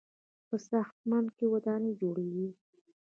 په ساختمان کې ودانۍ جوړیږي.